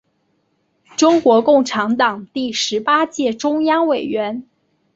中国共产党第十八届中央委员。